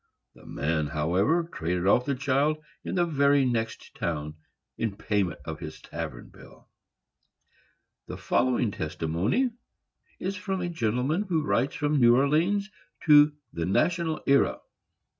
The man, however, traded off the child in the very next town, in payment of his tavern bill. The following testimony is from a gentleman who writes from New Orleans to the National Era.